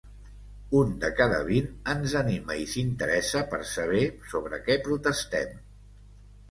Un de cada vint ens anima i s’interessa per saber sobre què protestem.